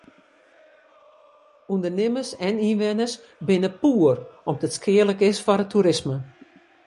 Undernimmers en ynwenners binne poer om't it skealik is foar it toerisme.